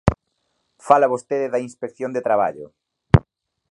Fala vostede da Inspección de Traballo.